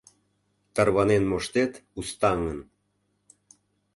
Тарванен моштет устаҥын —